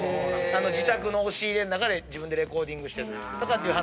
自宅の押し入れの中で自分でレコーディングして。